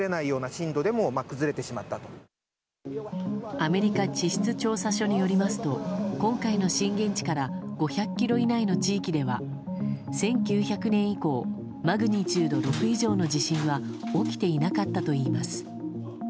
アメリカ地質調査所によりますと今回の震源地から５００ｋｍ以内の地域では１９００年以降マグニチュード６以上の地震は起きていなかったといいます。